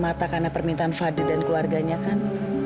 mata karena permintaan fadil dan keluarganya kan